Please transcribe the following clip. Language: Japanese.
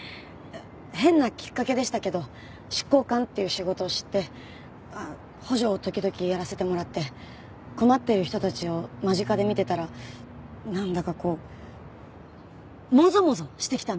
変なきっかけでしたけど執行官っていう仕事を知って補助を時々やらせてもらって困っている人たちを間近で見てたらなんだかこうもぞもぞしてきたんです。